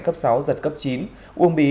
cấp sáu giật cấp chín uông bí